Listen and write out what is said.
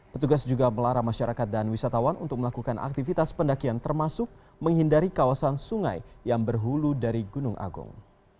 petugas juga melarang masyarakat dan wisatawan untuk melakukan aktivitas pendakian termasuk menghindari kawasan sungai yang berhulu dari gunung agung